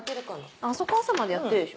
あそこ朝までやってるでしょ。